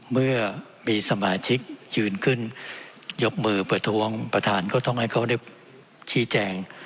เมื่อมีสมาชิกยืนขึ้นยกมือประท้วงประธานก็ต้องให้เขาได้ชี้แจง